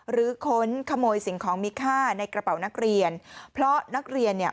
ค้นขโมยสิ่งของมีค่าในกระเป๋านักเรียนเพราะนักเรียนเนี่ย